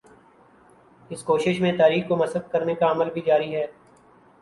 اس کوشش میں تاریخ کو مسخ کرنے کا عمل بھی جاری ہے۔